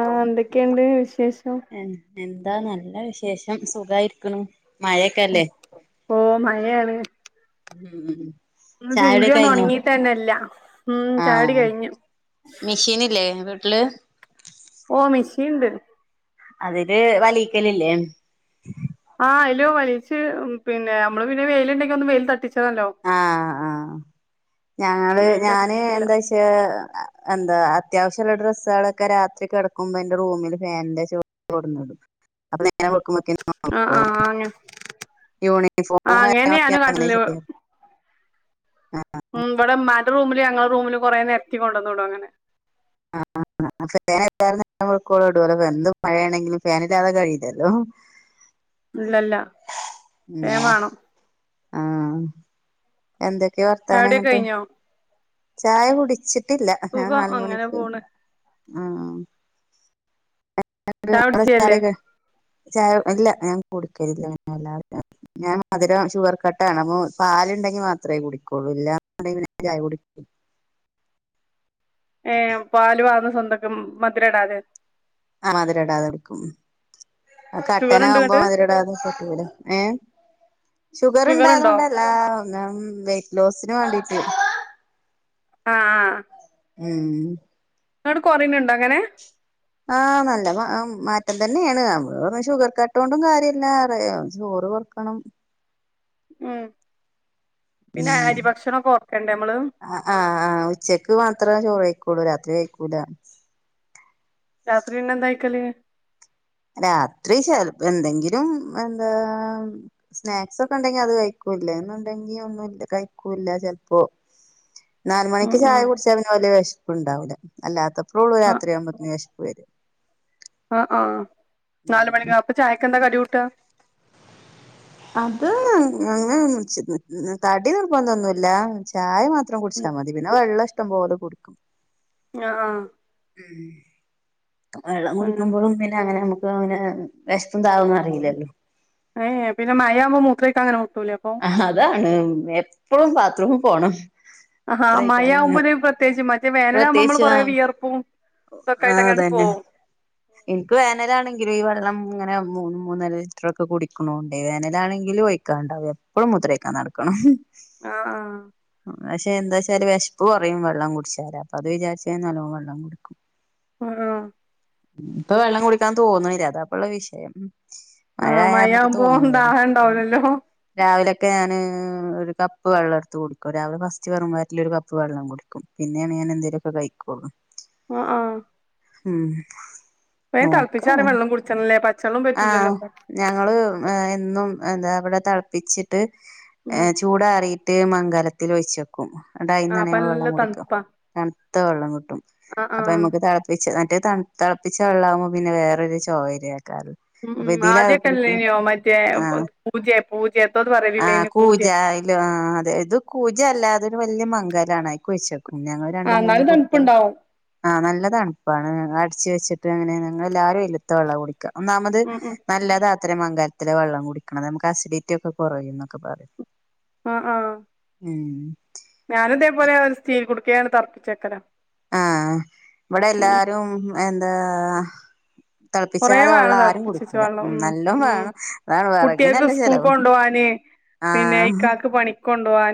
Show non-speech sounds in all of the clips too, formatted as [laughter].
ആഹ എന്തെക്കെയുണ്ട് വിശേഷം താ നല്ല വിശേഷം സുഖായിരിക്കുണു മഴയെക്കെല്ലേ ഓ മഴയാണ് ഉം ഉ ഉ തിരുമ്പി ഒന്ന് ഒണങ്ങീട്ട് തന്നെല്ലാം ഉം ചായുടി കഴിഞ്ഞു മിഷൃനില്ലേ വീട്ടില് ഓ മിഷ്യണ്ട് അതില് വലീക്കല്ല്ഇല്ലേ ആഹ് അലോ എന്ന വലിച്ച് പിന്നെ നമ്മള് പിന്നെ വെയിലുണ്ടെങ്കിൽ ഒന്ന് വെയിൽ തട്ടിച്ചു ഇലല്ലോ ആഹ് ആഹ് ഞങ്ങള് ഞാന് എന്താ വെച്ചാ എന്താ അത്യാവശ്യമുള്ള ഡ്രസ്സുകളൊക്കെ രാത്രി കിടക്കുമ്പോ എന്റെ റൂമിൽ ഫാനിന്റെ ചെവിട്ടില്കൊണ്ടിടും അപ്പൊ നേങ്ങ ആഹ് [unintelligible] ആ ആഹ് അങ്ങനെ യൂണിഫോം ആഹ് അങ്ങനെ കാര്ക്കെ ഞാനും അങ്ങനെ കാട്ടല് ശരിയായി ഉം ഇവിടെ ഉമ്മൻറ്റ റൂമില് ഞങ്ങളെ റൂമില് കൊറ നെരത്തിക്കൊണ്ട് ഇടും അങ്ങനെ ആഹ് [inaudible] ഫാൻ എല്ലുംക്കോള [unintelligible] ഇടുല്ലോ അ എന്ത് മഴ ആണെങ്കിലും ഫാനില്ലാതെ കഴിയില്ലല്ലോ ഇല്ലല്ല ഉം വേ വേണം ആഹ് എന്തൊക്കെയ വർത്താന ചായുടിയൊക്കെ അങ്ങോട്ട് കഴിഞ്ഞോ ചായ കുടിച്ച് [unintelligible] ഞാൻ സുഖം അങ്ങനെ നാലുമണിക്ക് പോണ് ആഹ് ചായ കുടിച്ചയല്ലേ [inaudible] ഇല്ല ഞാൻ കുടിക്കല്ഇല്ല എല്ലാ ഞാൻ മധുരം ഷുഗർ കട്ടാണ് അപ്പൊ പാലുണ്ടെ [unintelligible] മാത്രമേ കുടിക്കുള്ളൂ എല്ലാ കൂട ഇങ്ങനെ ചാ ഏ പാല് വന്ന് സ്വന്തക്ക മധുരഇടാതെ ആ മധുരടാതെ കുടിക്കും ഷുഗർ ഇണ്ട് കട്ടനാകുമ്പോ ഇങ്ങട്ട് മധുരടാതെ [unintelligible] ഏ ഷുഗർ ഇണ്ടായത് കൊണ്ടല്ല ഒന്ന് വെയ്റ്റ് ലോസിന് വേണ്ടീട്ട് ആഹ് ആഹ് ഉം എന്നിട്ട് കൊറയുന്നുണ്ടോ അങ്ങനെ ആഹ് നല്ല മാറ്റം തന്നെയാണ് നമ്മള് പറഞ്ഞ ഷുഗർ കട്ട് കൊണ്ടും കാര്യമില്ല [unintelligible] വർക്കണം ഉം പിന്നെ ഉം അരി ഭക്ഷണൊക്കെ ഓർക്കണ്ടേ നമ്മള് ആഹ് ആഹ് ഉച്ചക്ക് വർ അത്ര ചോറ് കഴിക്കുള്ളൂ രാത്രി കഴിക്കൂല രാത്രി പിന്നെ എന്താ കയിക്കല് രാത്രി ചെലപ്പം എന്തെങ്കിലും എന്താ സ്നാക്സ്ക്കെ ഉണ്ടെങ്കി അത് കഴിക്കൂം ല്ലാംഎന്നുണ്ടെങ്കി ഒന്നുംല്ല കഴിക്കൂല്ല ചിലപ്പോ നാല് ഉം മണിക്ക് ഉം ചായ കുടിച്ച അവന് വല വിശപ്പ്ഉണ്ടാവില്ല അല്ലാത്തപ്പഴേ ഉള്ളൂ രാത്രിയാകുമ്പോത്തേന് വിശപ്പ് വരും ആഹ് ആഹ് ഉം നാലുമണി അപ്പൊ ചായക്കെന്താ കടികുട്ടൂക അത് [unintelligible] കടി നിർബന്തൊന്നുല്ല ചായ മാത്രം ഇത്രം കുടിച്ചാൽ മതി പിന്നെ വെള്ളം ഇഷ്ടംപലെ കുടിക്കും ആഹ് ആഹ് ഉം വെള്ളം അങ്ങനെ കുടിക്കുമ്പോഴും പിന്നെ അങ്ങനെ അപ്പം അങ്ങനെ വിഷപ്പും ദാഹവും അറിയില്ലല്ലോ ഏ ഏ പിന്നെ മഴയാവുമ്പോ മൂത്രയ്ക്ക് അങ്ങനെും മു അതാണ് എപ്പഴും ബാത്റൂമ് പോണം ആഹ് ത്രയിക്കാനന്നെ മയകുമ്പോല് പ്രത്യേകിച്ച് മറ്റ് വേനല് ആകുമ്പോ നമ്മൾ പ്രത്യേകിച്ച് കൊറേ ആഹ് വിയർപ്പും ഇതൊക്കെ ആയിട്ട് അങ്ങോട്ട് അതന്നെ പോവും എനിക്ക് വേനല് ആണെങ്കിലും വെള്ളം ഇങ്ങനെ മൂന്ന് മൂന്നര ലിറ്ററൊക്കെ കുടിക്കണോണ്ടേ വേനലണെങ്കീലും ഒഴിക്കാണ്ടും എപ്പഴും മുത്രം ഒയ്ക്കണം നടക്കണം ആ പക്ഷെ എന്താ വച്ചാല് വെശപ്പ് കുറയും വെള്ളം കുടിച്ചാ അപ്പൊ അത് വിചാരിച്ച് ഞാൻ നല്ലോണം വെള്ളം കുടിക്കും ആഹ് ആഹ് ഇപ്പൊ വെള്ളം കുടിക്കാൻ തോന്നണില്ല അതാപ്പ ഉള്ള വിഷയം ആ മഴ ആയാ അമക്ക് മഴയാവുമ്പോ തോന്നൂല ദാഹം ഉണ്ടാവൂലല്ലോ രാവിലെ ക്കെ ഞാന് ഒരു കപ്പ് വെള്ളം എടുത്ത് കുടിക്കു രാവിലെ ഫസ്റ്റ് വെറും വയറ്റില് ഒരു കപ്പ് വെള്ളം കുടിക്കും പിന്നെയാണ് ഞാൻ എന്തേലുക്കെ കഴിക്കുള്ളൂ ആ ആ ഉം വേം നോക്ക തിളപ്പിച്ചാറിയ വെള്ളം കുടിച്ചണല്ലേ പച്ചവെള്ളം ആഹ പറ്റൂലല്ലോ ഇപ്പൊ ഞങ്ങള് ഏ എന്നും അതാ അവിടെ തിളപ്പിച്ചിട്ട് ഏ ഉം ചൂടാറിയിട്ട് മംഗലത്തില് ഒഴിച്ചെക്കും അടാ ആ ഇന്നാണേ അപ്പ ഞങ്ങൾ വെള്ളം നല്ല കുടിക്കം തണുപ്പാ തണുത്ത വെള്ളം കിട്ടും ആ അപ്പൊ ആ നമക്ക് തിളപ്പച്ച് മറ്റെ ത തിളപ്പിച്ച വെള്ളാകുബം പിന്നെ വേറൊരു ചൊവ കാറ് ഉം ഉം അപ്പൊ ഇതിലാ കുടിക്കും ആദ്യൊക്കെല്ലേനോ മറ്റേ ആ കൂജെ പൂജെ എന്തോ ആ പറയലില്ലേനോ കൂ കൂജെ യാ ഇല്ലവ ആ അതെ ഇത് കുജ അല്ലാതൊരു വലിയ മംഗലാണ് അയിക്കുഴിച്ച് ഞങ്ങള് രണ്ടു ആഹ് മൂന്നും എന്നാലും കൊടുത്ത് തണുപ്പുണ്ടാവും ആ നല്ലതാണ് ണുപ്പാണ് ച്ച് വെച്ചിട്ടാ അങ്ങനെ ഞങ്ങളെല്ലാരുല്ലാത്ത വെള്ള കുടിക്ക ഒന്നാമത് ഉം ഉം നല്ലതാ ത്തരം മംഗാലത്തിലെ വെള്ളം കുടിക്കണത് നമുക്ക് അസിഡിറ്റി ഒക്കെ കുറയും എന്നൊക്കെ പറയും ആഹ ആഹ ഉം ക്കെയാണ് തറപ്പിച്ചേക്കര ആഹ ഇവിടെ എല്ലാരും എന്താ കൊറേ തെളപ്പിച്ചാതെ വെള്ളം വേണം ആരും തെളപ്പിച്ചെച്ച കുടിക്കൂല വെള്ളം ഉ ഉം നല്ലോ ഉം വേണം അതാണ് കുട്ട്യേക്ക് വിറകിനല്ല സ്കൂൾക്ക് ചെലവ് കൊണ്ടോവാന് പിന്നെ ആഹ് ഇക്കാക്ക് പണി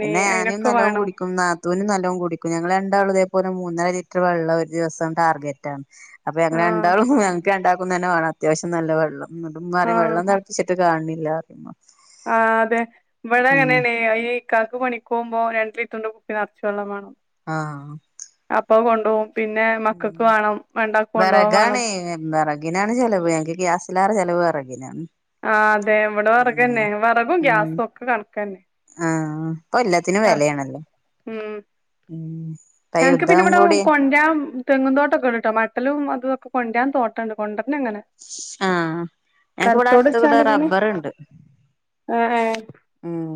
പിന്നെ ആനയും നല്ലവും കുടിക്കും നാത്തുനും നല്ലവും കുടിക്കും ഞങ്ങള് രണ്ടാളു പൊന മൂന്നര ലിറ്റർ വെള്ളം ഒരു ദിവസം ടാർഗറ്റാണ് അപ്പൊ എങ്ങനെ ആഹ് ഉണ്ടുവു ക്കെ ഉണ്ടാക്കുന്ന തന്ന വേണം അത്യാവിശ്യം നല്ല വെള്ളം മ് ഇപ്പം നറെയെ ആഹ് വെള്ളം തളപ്പിച്ചിട്ട് കാണിണ്ണില്ല അറുമമ്മോ ആഹ് അതെ ഇവട യെന്നെനെ ആയി ഇക്കാക്ക് പണി ക്കുമ്പോ രണ്ട് ലിറ്ററിന്റെ കുപ്പി നറച്ചു വെള്ളം വേണം ആഹ് അപ്പോം കൊണ്ടുപോവും പിന്നെ മക്കക്ക് വേണം വേണ്ടാ കൊണ്ടുപോവം വേണം ഇങ്ങനെണ് ചെലവ് എങ്കി ഗ്യാസിലാണ് ചെലവ് വെറകിനാണ് ആ അതെ ഇവടെ ഉം വിറകന്നെ വിറകും ഗ്യാസും ഒക്കെ കണക്കന്നെ ആ ഇപ്പൊ എല്ലാത്തിനും വെലയാണല്ലോ ഉം ഉം ഇപ്പ ഞങ്ങക്ക് പിന്നെ യുദ്ധം ഇവിടെ കൂടി കൊഞ്ചാൻ മ് തെങ്ങും തോട്ടം ഒക്കെ ണ്ടുട്ടോ മട്ടലും അതൊക്കെ കൊഞ്ചാൻ തോട്ടം ഉണ്ട് കൊണ്ട പിന്നെങ്ങനെ ആഹ് ഞങ്ങക്ക് ഇവിടെ അടുത്ത് കൂടെ തലച്ചോട്ച്ചാണ്ട് ഇങ്ങനെ റബ്ബറ്ണ്ട് ആഏ ഉം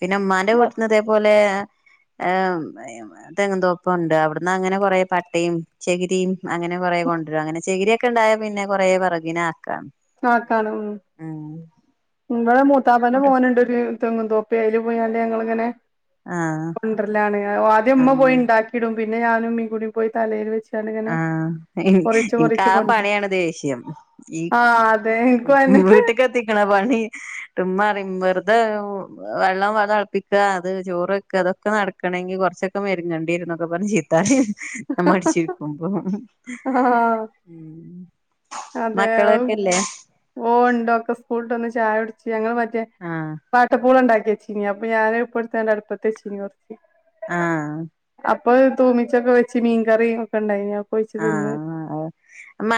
പിന്നെ ഉമ്മാന്റെ വീട്ടുന്നതേ പോലെ അ ഏ മ് എ യ് മ് തെങ്ങുതോപ്പണ്ട് അവിടുന്ന് അങ്ങനെ കൊറെ പട്ടയും ചകിരിയും അങ്ങനെ കൊറെേ എ യ് കൊണ്ടുരും അങ്ങനെ ചകിരിക്കെ ഉണ്ടായേ പിന്നെ കുറെ വിറകിന് ആക്കാണ് ഉം ഇവിടെ മൂത്താപ്പന്റെ മോനുണ്ട് തില് തെങ്ങുന്തോപ്പിയയില് പോയാല് ഞങ്ങളിങ്ങനെ ആഹ് കൊണ്ടർ ലാണ് ഞാ ഒ ആദ്യ മ്മ പോയി ആഹ് ഉണ്ടാക്കിടും പിന്നെ ഞാനും മ്മീ കൂടി പോയി തലയില് വെച്ച ആഹ എനി എനിക്ക് ആ കൊണ്ടരും പണിയാണ് ദേഷ്യം ഈ ആഹ് അതെ ഇൻക്കും മ് അതെന്നെ വീട്ടകെത്തിക്കണ പണി തുമ്മാറിങ്‌ വെറുതെ വെ വെള്ളം വെ തിളപ്പിക്കക അത് ചോറ് വെക്ക അതൊക്കെ നടക്കണമങ്കി ങ്കി കൊറച്ചൊക്കെ മെരങ്ങണ്ടി ഇരുന്നൊക്കെ പറഞ്ഞ് ചിത്താടി നമ്മ അടിച്ചിപോമ്പോ ആഹ് ഉം അതെ ഔ മക്കളൊക്കെല്ലേ ഓ ഉണ്ടോ ഒക്കെ സ്കൂളിട്ട ഒന്ന് ചായ കുടിച്ചു ഞങ്ങള് ട്ടേ ആഹ് പാട്ടപ്പുളണ്ടാക്കിയെച്ചിനി അപ്പൊ ഞാന് ഇപ്പ എടുത്താണ്ട് അടുപ്പത്ത് വെച്ചീനി കൊറച്ച് ആ അപ്പൊ തൂമിച്ചൊക്കെ വെച്ച് മീൻകറിയും ഒക്കെ ഉണ്ടായിനു പോച്ചു തോന്ന്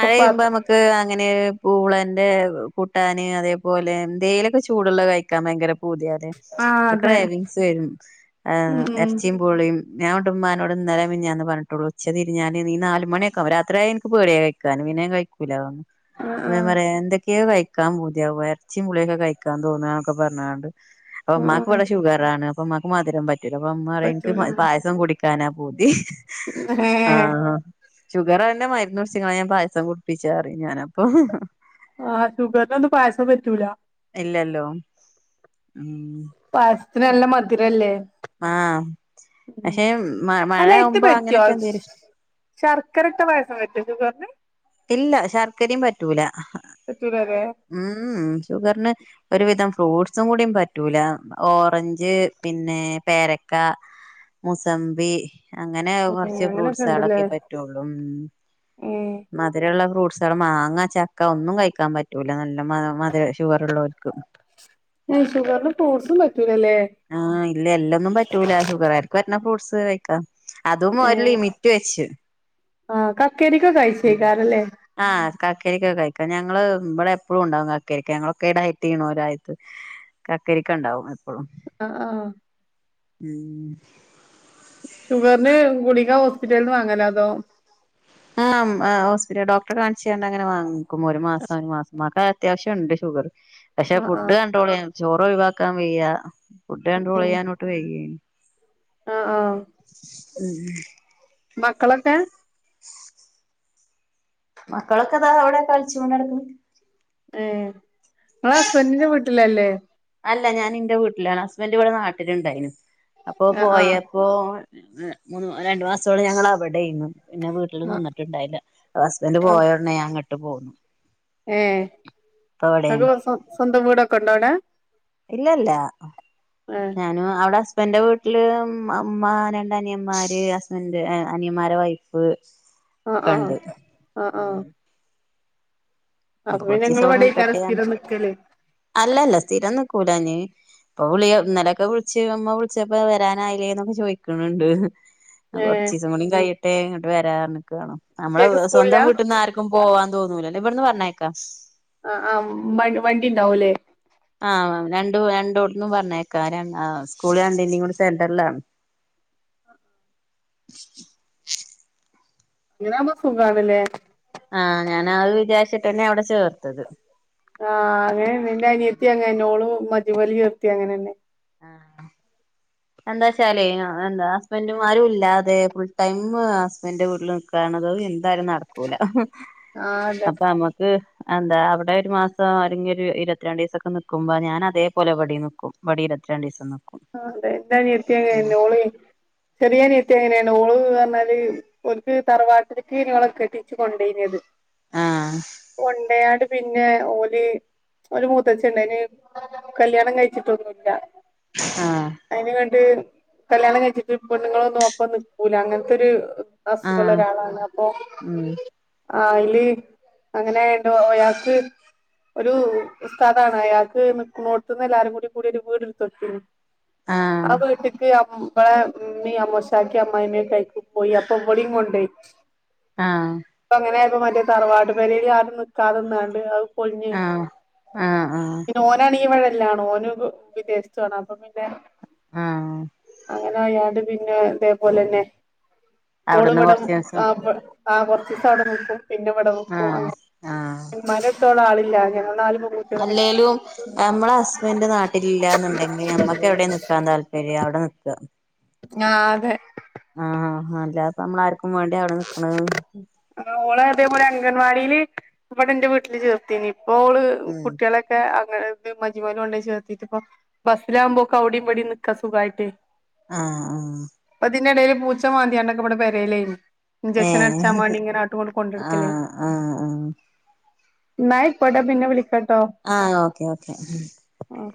അപ്പാത് ക്ക് അങ്ങനെ പൂളന്റെ കൂട്ടാന് അതേപോലെന്തെയിലൊക്കെ ചൂടുള്ള കഴിക്കാൻ ഭയങ്കര പുതിയതെ ആഹ് അതെ എക്രേവിങ്സ് വരും ഏ ഉം ഉം ഇറച്ചിയും പുളിയും ഞാൻ ഉണ്ട് ഉമ്മാനോട് ഇന്നലെ മിഞ്ഞാന്ന് പറഞ്ഞിട്ടുള്ളൂ ഉച്ചതിരിഞ്ഞാന് നീ നാല് മണിയൊക്കെ ആവും രാത്രിയാ ഇൻക്ക് പേടിയ കഴിക്കാന് പിന്നേം കഴിക്കൂല ആഹ് ഞാൻ ആഹ് പറയ എന്തെ കെ കഴിക്കാൻ പൂതിയാ ഇറച്ചി പുളിയൊക്കെ കഴിക്കാൻ തോന്നക്കെ പറഞ്ഞണ്ട് ഉം ഉമ്മാക്കിവിടെ ഷുഗറാണ് അപ്പൊ ഉമ്മാക്ക് മധുരം പറ്റൂല അപ്പൊ ഉമ്മാ റിം ഇൻക്ക് പറ്റൂല പായസം കുടി കാനാ പൂതി ആ ഏഹ് ആ ഷുഗറന്നെ മരുന്ന് കുടിച് ക്ണ് ഞാൻ പായസം കുടിപ്പിച്ചാ പറയും ഞാനപ്പം ആ ഷുഗറിനൊന്നും പായസം പറ്റൂല്ല. ഇല്ലല്ലോ ഉം പായസത്തിന് നല്ല മധുരല്ലേ ആഹ ഉം പക്ഷെ മ മഴയാവുമ്പോ അങ്ങനെയൊക്കെ എന്തെലും ഇഷ്ടം ശർക്കര ഇട്ട പായസം പറ്റൊ ഷുഗറ്ന്? ഇല്ല ശർക്കരയും പറ്റൂല പറ്റൂലല്ലേ ഉം ഷുഗറിന് ഒരുവിധം ഫ്രൂട്ട്സും കൂടീം പറ്റൂല ഓറഞ്ച് പിന്നെ പേരക്ക. മൂസമ്പി അങ്ങനെ ഉം കുറച്ച് അങ്ങനൊക്കെ ഫ്രൂട്ട്സളൊക്കെ ഉണ്ടല്ലേ പറ്റുള്ളൂ ഉം ഏഹ് മധുരള്ള ഫ്രൂട് പാടെ മാങ്ങാ ചക്ക ഒന്നും കഴിക്കാൻ പറ്റൂല നൽ മ മധുര ഷുഗർ ഉള്ളവർക്ക് ഷുഗറിന് ഫ്രൂട്ട്സും പറ്റൂലല്ലേ ആ ഇല്ല എല്ലൊന്നും പറ്റൂല ഷുഗരാർക്ക് പറ്റുന്ന ഫ്രൂട്സ് കഴിക്കാ. അതും ഒര ലിമിറ്റ് വെച്ച് ആ കക്കരിക്കൊക്കെ കഴിച്ചേക്കാരല്ലേ? കാക്കിരിക്കൊക്കെ കഴിക്കാ ഞങ്ങള് ഇവടെ എപ്പളും ഇണ്ടാവും കാക്കരിക്ക ഞങ്ങളൊക്കെ ഡൈറ്റയ്യെണോരായത്ത് കക്കരിക്ക ഉണ്ടാവും എപ്പളും. അ ആ ഉം ഷുഗറിന് ഗുളിക ഹോസ്പിറ്റല്ന്ന് വാങ്ങലോ അതോ? ആ ഉം ആ ഹോസ്പിറ്റല ഡോക്ടറെ കാണിച്ചണ്ട് അങ്ങനെ വാങ്ങിക്കും ഒരു മാസം ഒരു മാസംമാക്കെ അത്യാവശ്യണ്ട് ഷുഗർ പക്ഷെ ആഹ് ഫുഡ് ആഹ് കണ്ടട്രോളെയ്യാൻ ചോറ് ഒഴിവാക്കാൻ വയ്യ ഫുഡ് ഉം കണ്ടോളെയ്യാനോട്ട് വെയ്യേം ആഹ് ആഹ് ഉം മക്കളൊക്കെ? മക്കളൊക്കെ അതാ അവിടെ കളിച്ചോണ്ട് നടക്ക്ണ് ഏ നിങ്ങള് ഹസ്ബൻറിന്റെ വീട്ടിലല്ലേ? അല്ല ഞാൻ ഇന്റെ വീട്ടില ഹസ്ബൻറ് ഇവിടെ നാട്ടിലുണ്ടായിരുന്നു അപ്പോ ആഹ് ആഹ് പോയപ്പോ ങ് മൂന്ന് രണ്ടു മാസത്തോളം ഞങ്ങള അവിടെയ്ന്നു പിന്നെ വീട്ടില് ആഹ് നിന്നിട്ടുണ്ടായില്ല ഹസ്ബന്റ് പോയോടനെ ഞാ ങ്ങട്ട് പോന്നു. ഏ ഇപ്പ ഇവിടെയാണ് നിക്ക് സ്വന്തം വീടക്കെ ഉണ്ടോ അവിടെ? ഇല്ലല്ല ഏഹ് ഞാനും അവിടെ ഹസ് സ്ബന്റെ വീട്ടില് ഇ അമ്മ രണ്ട് അനിയന്മാര് ഹസ്ബൻഡ് എ അനിയന്മാരെ വൈഫ്. ആഹ് ആഹ് ക്കണ്ട്. ആഹ് ആഹ് അപ്പൊ പിന്നെ കൊറച്ച് ദിവസം ഇങ്ങള് ഇവിടെനി ഇവിടേക്കാരം കെട്ടിയാണ് സ്ഥിരം നിക്കല് അല്ലല്ല സ്ഥിരംനിക്കൂലാ ഞ്ഞ് ഇപ്പൊ വിളിയ ഇന്നലൊക്കെ വിളിച്ച് ഇമ്മ വിളിച്ചപ്പോ വരാനായില്ലേ ന്നൊക്കെ ചോദിക്ക്ണ്ണ്ട്. ഏഹ് കൊറച്ചീസുകൂടി കയ്യട്ടെ ഇങ്ങട്ട് വരാർനിക്കാണ് നമ്മളെ കുട്ട്യാക്ക് സ്കൂളില്ല സ്വന്തം വീട്ട്ന്ന് ആർക്കും പോവാ തോന്നൂ ല്ലല്ലേ ഇവിടുന്ന് പറഞ്ഞയക്കാ ആ ആ വ വണ്ടി ഇണ്ടാവൂല്ലേ? രണ്ട് രണ്ടോട്ന്നും പറഞ്ഞേക്കാരാണ് ആ സ്കൂളാണ്ട് ഇന്ന കൂടെ സെന്റർലാണ്. [inaudible] അങ്ങനവുമ്പോ സുഖാണില്ലേ? ആ ഞാനാത് വിചാരിച്ചിട്ടന്നെ അവിടെ ചേർത്തത് ആഹ് അങ്ങനെ എന്നിൻ്റെ അനിയത്തി അങ്ങെന്നെ ളുമദ്യപലി ചേർത്തി അങ്ങനെയന്നെ ആ എന്താ വച്ചാലേ എന്താ ഹസ്ബൻഡും മാരുംഇല്ലാതെ ഫുൾ ടൈമ്ഹസ്ബൻഡന്റെ വീട്ടിൽ നിക്ക ണത്‌ന്തായാലും നടക്കൂല ആഹ് അതെ അപ്പൊ നമ്മക്ക് ന്താ അവിടെ ഒരു മാസം ആരെങ്കിലും ഒരു ഇരുപത്തി രണ്ട് ദിവസീക്കെ നിക്കുമ്പോ ഞാനതേപോലെ ഇവടീം നിക്കും ഇവടീഇരുത് രണ്ടീസം ന്നുക് ആ അതെ എന്റനിയത്തിത്തങ്ങനെന്നെന്നോള് ചെറി യാനീത്തിയാങ്ങനന്നെ നോള് പറഞ്ഞാല് ഒൽക്ക്തറവാട്ടിലേക്ക് നോളൊ കെട്ടിച്ചു കൊണ്ടയ്നത് ആഹ് ഒണ്ടയാട് പിന്നെ ഓല് ഓല മൂത്തച്ഛണ്ട്‌യ്ന് കല്യാണം കഴിച്ചിട്ടൊന്നുല്ല ആഹ് അയിന്ങ്ങട്ട് കല്യാണം കഴിച്ചിട്ട് പെണ്ണുങ്ങളൊന്നും ഒപ്പൊം നിക്കൂല അങ്ങനത്തെര് അസുഖള്ള ആഹ് ഒരാളാണ് അപ്പൊ ഉം ആയില് അങ്ങനെനോഅയാൾക്ക് ഒരു ഉസ്താദ്അയാക്ക് നിക്കുണോട്ത്ത്ന്ന്എല്ലാരും കൂടി കൂടി ഒരു വീട്ഇട്ത്ത്ടുത്തീനു ആ ആഹ് വീട്ട്ക്ക് അമ് ഇവളമ്മീ അമ്മോശാക്കി അമ്മ്മായിമ്മ ക്കെ അയ്ക്പോയി അപ്പൊ ഇവളീംകൊണ്ടണ്ടേയ് ആ ഇപ്പ മറ്റേ തറവാട് പരേൽ ആരും നിക്കതന്നാണ്ട് അത്പ പൊളിഞ്ഞ്ഞ് ആഹ് ആഹ് ആഹ് പിന്നെ ഓനാണ് ഇവടെ ല്ലാണ് ഓന് വിദേശത്തത്താണ് അപ്പ പിന്നെ ആഹ് അങ്ങനെയായാല്‌പിന്നെ ഇതേപോലെന്നെ [unintelligible] ഓള്‌വടെ കൊറച്ചീസം ആപ് ആ കൊറച്ചീസവടെ നിക്കും പിന്നെവിടെ നിക്കും ആഹ് അങ്ങ ആഹ് മരത്തോളളില്ലഞ് ഞങ്ങള്ന്നാല് അല്ലേലും നമ്മളഹസ്ബൻറ് നാട്ടിലില്ലന്നുണ്ടെങ്കിൽ ഞമ്മക്ക് എവിടെ നിക്കാൻ താല്പര്യം അവടെ നിക്ക ഞ്ഞാ അതെ ആഹ് ആ അല്ല അപ്പ നമ്മള ആർക്കും വേണ്ടി അവിടെ നിക്കണ ഓളെ അതേപോലെ അംഗൻവാടീല്ഇവടെ ന്റെ വീട്ടില് ചേർത്തീന് ഇപ്പോള് ഉം കു ട്ട്യാളൊക്കെ അ ത് മജിമല് കൊണ്ടെയിചേർത്തിട്ട്പ്പൊ ബസ്സിലാവുമ്പോക്കെവിടിം ഇവടിം നിക്കാ സുഖമായിട്ടെയ് ആ ആ അതിനിടയിൽ പൂച്ച മാന്തിയാണ്ടൊക്കെ ഇവിടെപെരെയിലെന്നു ജച്ചന് അട്ച്ചാ ഏഹ് വേണ്ടി ഇങ്ങനെ ആട്ടുങ്ങോട്ട് കൊണ്ടുടക്കല് ആഹ് ആഹ് ആഹ് ഇന്ന അയികൊട്ടെ പിന്നെ വിലിക്കാ ആ ഓക്കേ ഓക്കെ ആഹ്